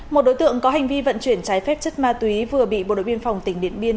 một đối tượng có hành vi vận chuyển trái phép chất ma túy vừa bị bộ đội biên phòng tỉnh điện biên